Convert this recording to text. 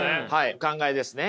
お考えですね。